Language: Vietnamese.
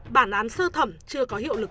bản án sơ thẩm chưa có hiệu lực